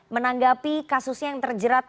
menanggapi kasusnya yang terjerat